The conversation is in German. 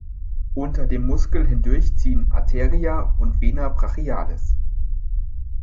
Unter dem Muskel hindurch ziehen "Arteria" und "Vena brachialis".